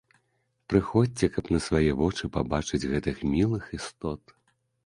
Прыходзьце, каб на свае вочы пабачыць гэтых мілых істот!